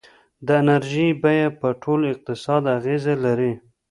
د انرژۍ بیه په ټول اقتصاد اغېزه لري.